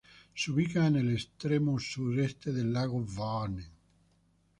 Se ubica en el extremo suroeste del lago Vänern.